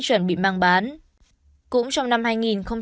chuẩn bị mang bán cũng trong